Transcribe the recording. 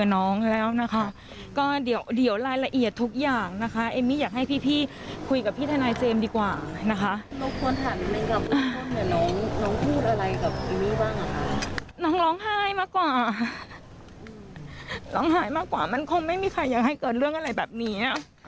น้องร้องไห้มากกว่ามันคงไม่มีใครอยากให้เกิดเรื่องอะไรแบบนี้